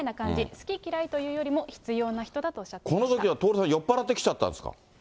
好き嫌いというよりも、必要な人このときの徹さんは、酔っぱらってきちゃったんですか？